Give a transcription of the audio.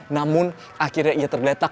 namun akhirnya ia tergeletak